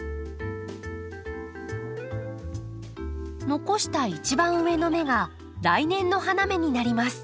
残した一番上の芽が来年の花芽になります。